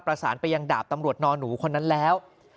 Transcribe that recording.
ประสานไปยังดาบตำรวจนอนหนูคนนั้นแล้ว